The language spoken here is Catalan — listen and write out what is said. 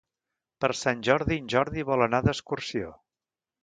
Per Sant Jordi en Jordi vol anar d'excursió.